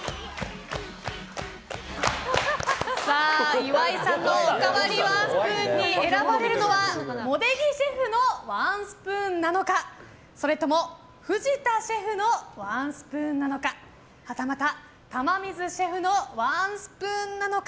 岩井さんのおかわりワンスプーンに選ばれるのは、茂出木シェフのワンスプーンなのかそれとも藤田シェフのワンスプーンなのかはたまた、玉水シェフのワンスプーンなのか。